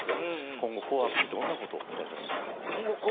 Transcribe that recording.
今後「紅白」にどんなことを期待されますか？